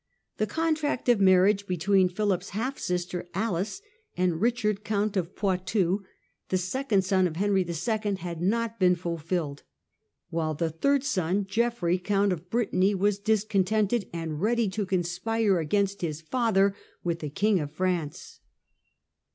The contract of marriage between Philip's half sister Alice and Eichard Count of Poitou, the second son of Henry II., had not been fulfilled, while the third son, Geoffrey Count of Britanny, was discontented, and ready to conspire against his father with the King of France.